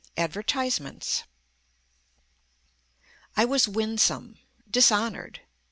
ADVERTISEMENTS I was winsome. Dishonored.